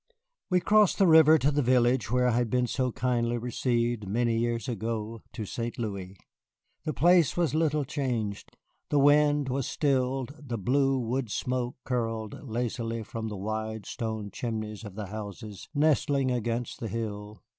We crossed the river to the village where I had been so kindly received many years ago to St. Louis. The place was little changed. The wind was stilled, the blue wood smoke curled lazily from the wide stone chimneys of the houses nestling against the hill.